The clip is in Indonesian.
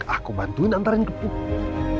aku bantuin antarin ke buku